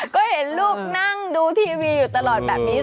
ก็เห็นลูกนั่งดูทีวีอยู่ตลอดแบบนี้